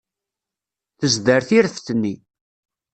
Tezder tireft-nni.